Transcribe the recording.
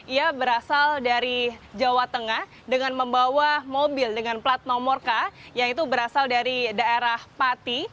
ia berasal dari jawa tengah dengan membawa mobil dengan plat nomor k yang itu berasal dari daerah pati